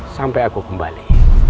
sampai aku kembali